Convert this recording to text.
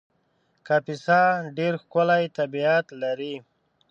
کاپیسا ډېر ښکلی طبیعت لري